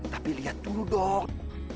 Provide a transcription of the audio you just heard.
tapi lihat dulu dong